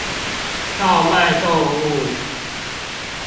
盜賣動物